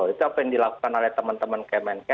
itu apa yang dilakukan oleh teman teman kemenkes